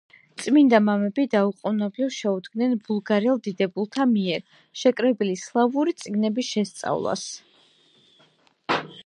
წმინდა მამები დაუყოვნებლივ შეუდგნენ ბულგარელ დიდებულთა მიერ შეკრებილი სლავური წიგნების შესწავლას.